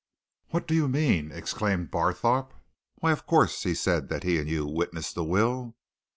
"What do you mean!" exclaimed Barthorpe. "Why, of course, he said that he and you witnessed the will!"